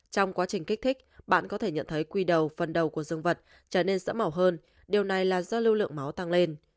trong quá trình kích thích bạn có thể nhận thấy quy đầu phần đầu của dương vật trở nên dẫm màu hơn điều này là do lưu lượng máu tăng lên